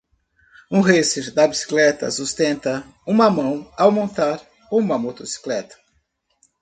Um racer da bicicleta sustenta uma mão ao montar uma motocicleta.